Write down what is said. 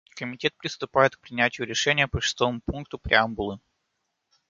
Комитет приступает к принятию решения по шестому пункту преамбулы.